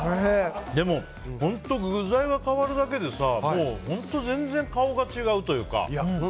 でも、本当具材が変わるだけで本当全然、顔が違うというか。